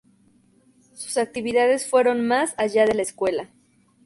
Sus actividades fueron más allá de la escuela.